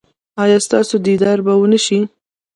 ایا ستاسو دیدار به و نه شي؟